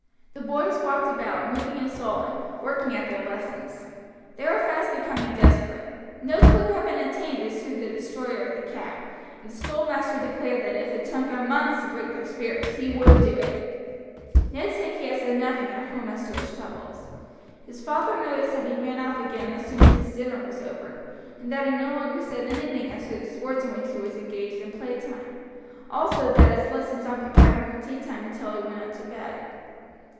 The boys walked about moody and sullen, working at their lessons. They were fast becoming desperate. No clue had been obtained as to the destroyer of the cat, and the schoolmaster declared that if it took him months to break their spirits he would do it. Ned Sankey had said nothing at home as to his troubles. His father noticed that he ran off again as soon as his dinner was over, and that he no longer said anything as to the sports in which he was engaged in playtime; also, that his lessons occupied him from tea time until he went up to bed.